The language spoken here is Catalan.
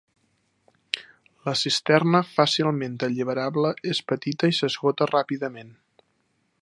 La cisterna fàcilment alliberable és petita i s'esgota ràpidament.